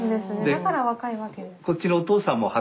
だから若いわけですね。